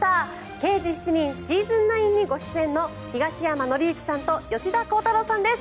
「刑事７人ｓｅａｓｏｎ９」にご出演の東山紀之さんと吉田鋼太郎さんです。